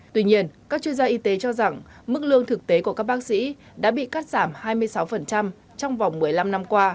tuy nhiên các chuyên gia y tế cho rằng mức lương thực tế của các bác sĩ đã bị cắt giảm hai mươi sáu trong vòng một mươi năm năm qua